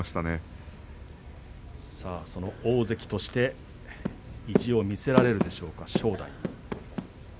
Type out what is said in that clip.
その大関として意地を見せられるでしょうか正代。